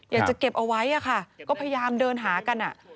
อยากจะเก็บเอาไว้ค่ะก็พยายามเดินหากัน